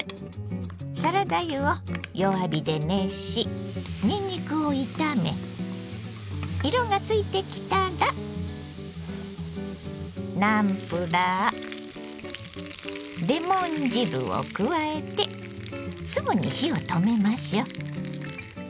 サラダ油を弱火で熱しにんにくを炒め色がついてきたらナムプラーレモン汁を加えてすぐに火を止めましょう。